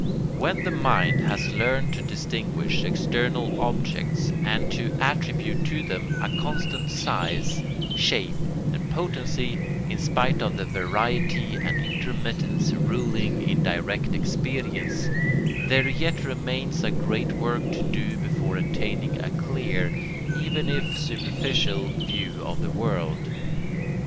] When the mind has learned to distinguish external objects and to attribute to them a constant size, shape, and potency, in spite of the variety and intermittence ruling in direct experience, there yet remains a great work to do before attaining a clear, even if superficial, view of the world.